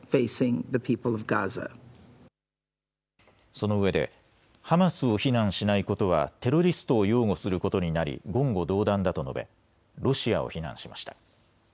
そのうえでハマスを非難しないことはテロリストを擁護することになり言語道断だと述べロシアを非難しました。